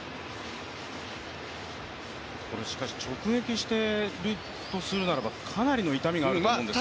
直撃するとするならばかなりの痛みがあると思うんですが？